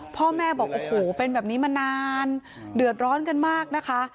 พ่อแม่บอกโอ้โหเป็นแบบนี้มานานเดือดร้อนกันมากนะคะ